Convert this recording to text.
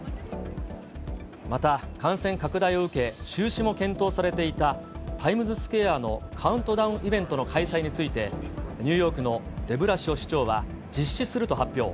また感染拡大を受け、中止も検討されていたタイムズスクエアのカウントダウンイベントの開催について、ニューヨークのデブラシオ市長は実施すると発表。